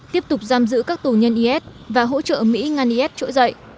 tiếp tục giam giữ các tù nhân is và hỗ trợ mỹ ngăn is trỗi dậy